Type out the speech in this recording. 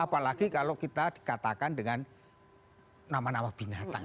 apalagi kalau kita dikatakan dengan nama nama binatang